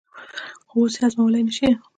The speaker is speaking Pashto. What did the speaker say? خو اوس یې هضمولای نه شي.